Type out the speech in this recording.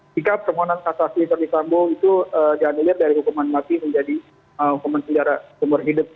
sikap kemohonan kasasi ferdi sambo itu diandelir dari hukuman mati menjadi hukuman sejarah seumur hidup